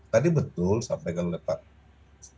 tadi betul sampai kalau pak menteri